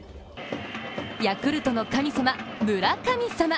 ヤクルトの神様、村神様。